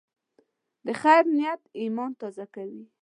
د خیر نیت ایمان تازه کوي.